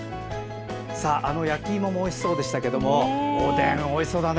あの焼き芋もおいしそうでしたけどおでん、おいしそうだね。